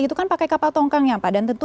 itu kan pakai kapal tongkang ya pak dan tentu